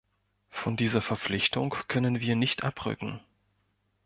Von dieser Verpflichtung können wir nicht abrücken.